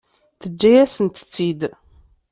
Teǧǧa-yasent-tt-id.